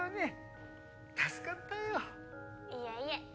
いえいえ。